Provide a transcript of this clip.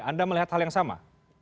anda melihat hal yang sama